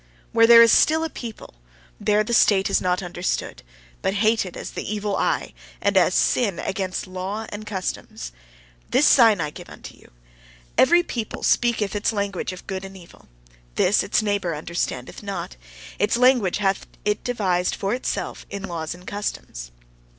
Where there is still a people, there the state is not understood, but hated as the evil eye, and as sin against laws and customs. This sign I give unto you: every people speaketh its language of good and evil: this its neighbour understandeth not. Its language hath it devised for itself in laws and customs.